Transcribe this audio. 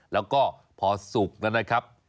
แล้วก็พอสุกแล้วนะครับ